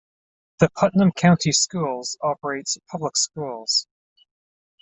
The Putnam County Schools operates public schools.